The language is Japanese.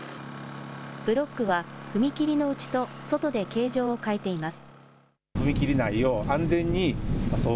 ブロックは踏切の内と外で形状を変えています。